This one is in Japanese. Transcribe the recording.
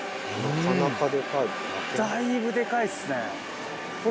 だいぶデカいっすね。